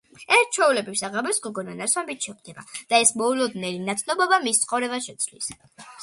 ერთ ჩვეულებრივ საღამოს გოგონა ნასვამ ბიჭს შეხვდება, და ეს მოულოდნელი ნაცნობობა მის ცხოვრებას შეცვლის.